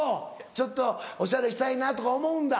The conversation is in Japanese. ちょっとおしゃれしたいなとか思うんだ？